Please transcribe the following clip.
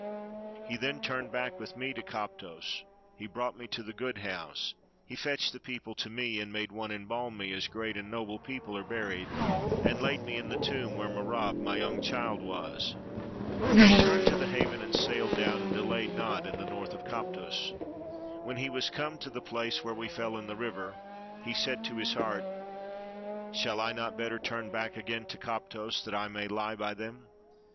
Then he turned back with me to Koptos, he brought me to the Good House, he fetched the people to me, and made one embalm me, as great and noble people are buried, and laid me in the tomb where Merab my young child was. He turned to the haven, and sailed down, and delayed not in the north of Koptos. When he was come to the place where we fell into the river, he said to his heart, '' Shall I not better turn back again to Koptos, that I may lie by them?